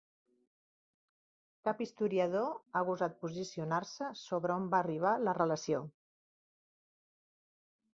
Cap historiador ha gosat posicionar-se sobre on va arribar la relació.